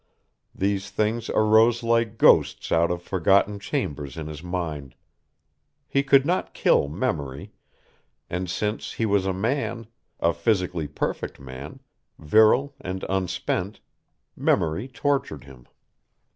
These things arose like ghosts out of forgotten chambers in his mind. He could not kill memory, and since he was a man, a physically perfect man, virile and unspent, memory tortured him.